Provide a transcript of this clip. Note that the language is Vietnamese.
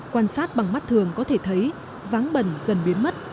quan sát bằng mắt thường có thể thấy váng bẩn dần biến mất